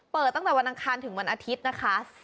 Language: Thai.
เปิดตั้งแต่วันอังคารถึงวันอาทิตย์นะคะ